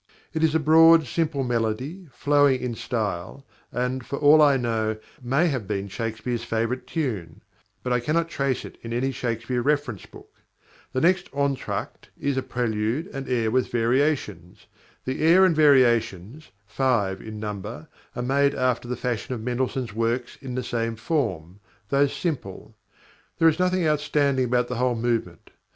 It is a broad, simple melody, flowing in style, and, for all I know, may have been Shakespeare's favourite tune; but I cannot trace it in any Shakespeare reference book. The next entr'acte is a prelude and air with variations. The air and variations, five in number, are made after the fashion of Mendelssohn's works in the same form, though simple. There is nothing outstanding about the whole movement.